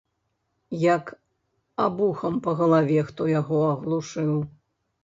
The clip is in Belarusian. Як абухам па галаве хто яго аглушыў.